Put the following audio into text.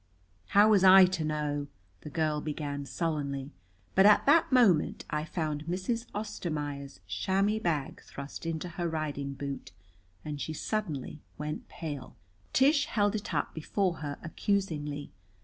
"How was I to know " the girl began sullenly. But at that moment I found Mrs. Ostermaier' chamois bag thrust into her riding boot, and she suddenly went pale. Tish held it up before her accusingly.